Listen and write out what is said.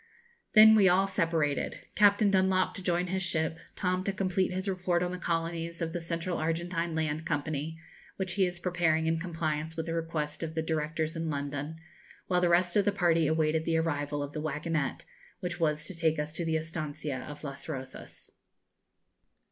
Then we all separated: Captain Dunlop to join his ship; Tom to complete his report on the colonies of the Central Argentine Land Company, which he is preparing in compliance with the request of the Directors in London; while the rest of the party awaited the arrival of the waggonette which was to take us to the estancia of Las Rosas.